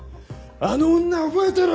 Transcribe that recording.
「あの女覚えてろ！」